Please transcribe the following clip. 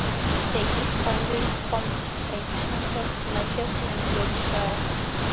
The east boundary is formed by the towns of Machias and Yorkshire.